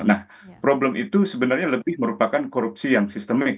nah problem itu sebenarnya lebih merupakan korupsi yang sistemik